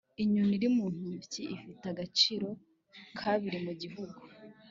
inyoni iri mu ntoki ifite agaciro kabiri mu gihuru.